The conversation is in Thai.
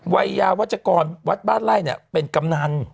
วัยยาวัชกรวัดบ้านไล่เป็นกำนัน